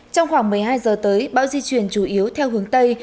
trong khoảng một mươi hai giờ tới bão di chuyển chủ yếu theo hướng tây